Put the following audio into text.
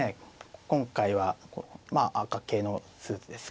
今回は赤系のスーツですか。